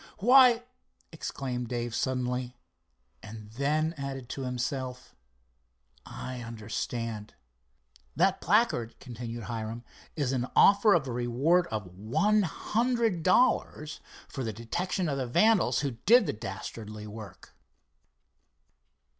"Why!" exclaimed Dave suddenly—and then added to himself: "I understand!" "That placard," continued Hiram, "is an offer of a reward of one hundred dollars for the detection of the vandals who did the dastardly work."